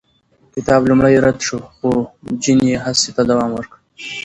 کتاب لومړی رد شو، خو جین یې هڅې ته دوام ورکړ.